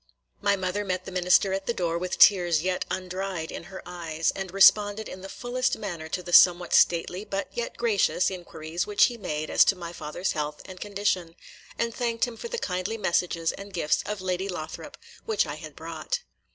My mother met the minister at the door, with tears yet undried in her eyes, and responded in the fullest manner to the somewhat stately, but yet gracious, inquiries which he made as to my father's health and condition, and thanked him for the kindly messages and gifts of Lady Lothrop, which I had brought.